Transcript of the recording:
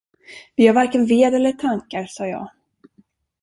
Vi har varken ved eller tankar! sade jag.